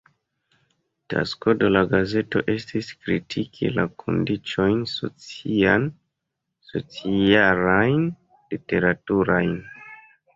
Tasko de la gazeto estis kritiki la kondiĉojn sociajn, socialajn, literaturajn.